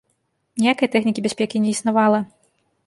Ніякай тэхнікі бяспекі не існавала.